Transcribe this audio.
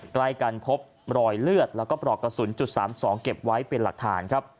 ใกล้กันพบรอยเลือดแล้วก็ปลอกกระสุนจุด๓๒เก็บไว้เป็นหลักฐานครับ